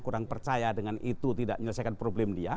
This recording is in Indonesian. kurang percaya dengan itu tidak menyelesaikan problem dia